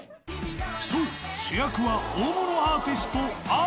そう、主役は大物アーティスト、ＡＩ。